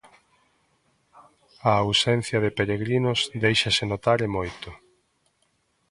A ausencia de peregrinos déixase notar e moito.